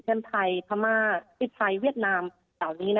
เช่นไทยพม่าอิสไทยเวียดนามต่างนี้นะ